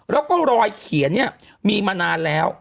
แล้วก็รอยเขียนเนี่ยมีมานานแล้ว